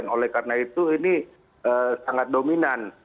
oleh karena itu ini sangat dominan